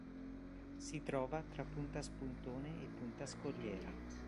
Si trova tra Punta Spuntone e Punta Scogliera.